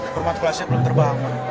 format koalisnya belum terbang